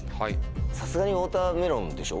さすがにウオーターメロンでしょ？